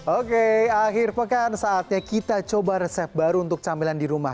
oke akhir pekan saatnya kita coba resep baru untuk camilan di rumah